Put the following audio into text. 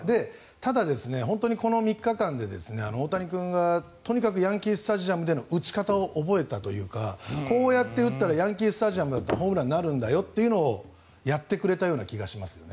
ただ、本当にこの３日間で大谷君がとにかくヤンキー・スタジアムでの打ち方を覚えたというかこうやって打ったらヤンキー・スタジアムだとホームランになるんだよというのをやってくれたような気がしますね。